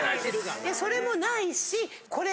それもないしこれ。